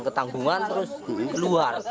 ketanggungan terus keluar